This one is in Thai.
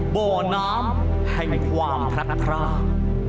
บ่อน้ำให้ความพลัดพร่าด